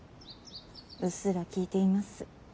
うっすら聞いています。